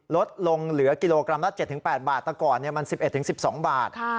ลดลงเหลือกิโลกรัมละ๗๘บาทแต่ก่อนมัน๑๑๑๑๒บาท